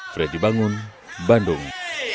fredy bangun bandung